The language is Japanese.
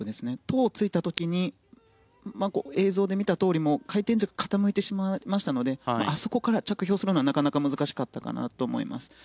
トウをついた時に映像で見たとおり回転軸が傾いてしまいましたのであそこから着氷するのはなかなか難しかったかなと思います。